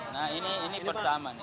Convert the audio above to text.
nah ini pertama nih